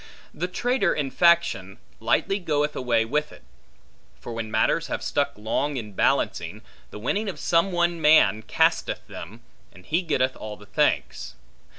The traitor in faction, lightly goeth away with it; for when matters have stuck long in balancing, the winning of some one man casteth them, and he getteth all the thanks.